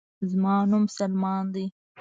زما نوم سلمان دے